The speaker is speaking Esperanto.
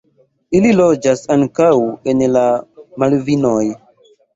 Ili loĝas ankaŭ en la Malvinoj.